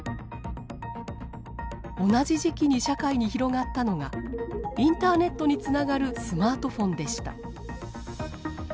同じ時期に社会に広がったのがインターネットにつながるスマートフォンでした。